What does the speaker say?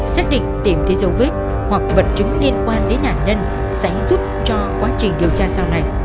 xác định tìm thấy dấu vết hoặc vật chứng liên quan đến nạn nhân sẽ giúp cho quá trình điều tra sau này